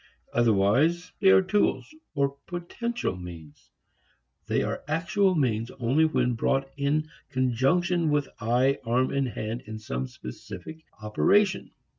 Otherwise they are tools, or potential means. They are actual means only when brought in conjunction with eye, arm and hand in some specific operation.